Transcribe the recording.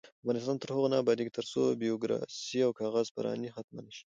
افغانستان تر هغو نه ابادیږي، ترڅو بیروکراسي او کاغذ پراني ختمه نشي.